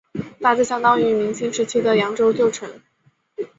大致相当于明清时期的扬州旧城。